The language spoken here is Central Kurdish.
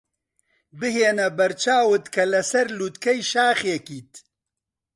بهێنە بەرچاوت کە لەسەر لووتکەی شاخێکیت.